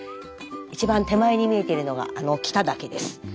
一番手前に見えているのがあの北岳です。